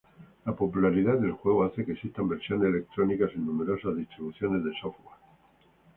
La popularidad del juego hace que existan versiones electrónicas en numerosas distribuciones de software.